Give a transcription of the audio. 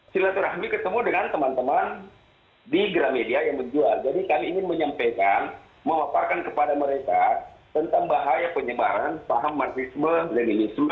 silaturahmi ketemu dengan teman teman di gramedia yang menjual jadi kami ingin menyampaikan memaparkan kepada mereka tentang bahaya penyebaran paham marxisme leninisme